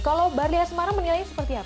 kalau barli haasemara menilainya seperti apa